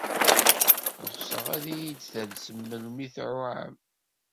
Ɣseɣ ad iyi-d-talsem melmi tuɛam.